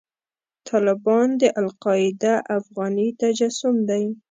طالبان د القاعده افغاني تجسم دی.